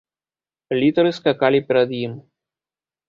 Літары скакалі перад ім.